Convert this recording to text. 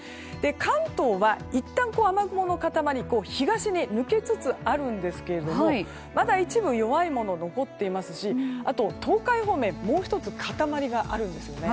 関東はいったん雨雲の塊東に抜けつつあるんですがまだ一部弱いもの残っていますしあと、東海方面もう１つ塊があるんですよね。